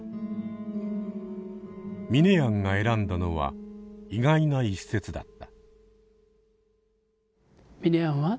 ミネヤンが選んだのは意外な一節だった。